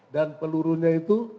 dan pelurunya itu